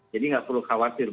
jadi nggak perlu khawatir